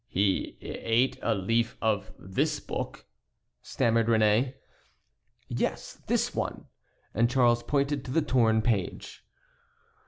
"He ate a leaf of this book?" stammered Réné. "Yes, this one," and Charles pointed to the torn page.